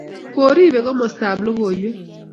koribei kamostab logoiywek